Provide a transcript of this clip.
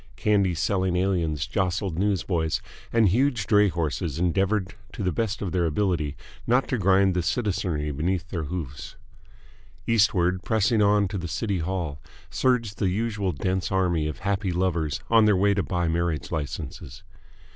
Candy selling aliens jostled newsboys, and huge dray horses endeavoured to the best of their ability not to grind the citizenry beneath their hooves. Eastward, pressing on to the City Hall, surged the usual dense army of happy lovers on their way to buy marriage licenses.